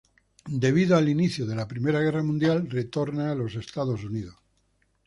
Debido al inicio de la primera guerra mundial, retorna a Estados Unidos.